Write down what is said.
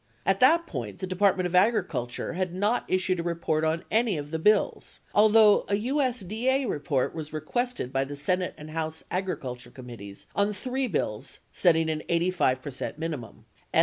At that point, the Department of Agriculture had not issued a report on any of the bills, although a USD A report was requested by the Senate and House Agriculture committees on three bills setting an 85 percent minimum, S.